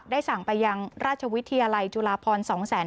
สั่งไปยังราชวิทยาลัยจุฬาพร๒แสน